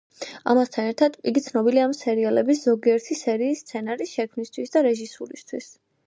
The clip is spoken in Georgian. ამასთან ერთად, იგი ცნობილია ამ სერიალების ზოგიერთი სერიის სცენარის შექმნისთვის და რეჟისურისთვის.